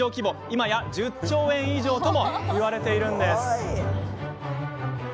今や１０兆円以上ともいわれているんです。